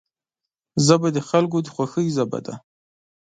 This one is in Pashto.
ژبه د خلکو د خوښۍ ژبه ده